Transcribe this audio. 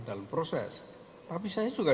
dalam proses tapi saya juga